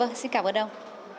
vâng xin cảm ơn ông